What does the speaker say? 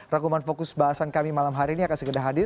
rangkuman fokus bahasan kami malam hari ini akan segera hadir